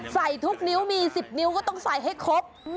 ใส่ทุกนิ้วมี๑๐นิ้วก็ต้องใส่ให้ครบ